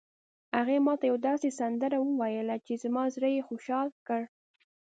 هغې ما ته یوه داسې سندره وویله چې زما زړه یې خوشحال کړ